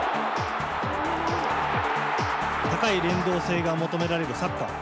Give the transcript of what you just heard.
高い連動性が求められるサッカー。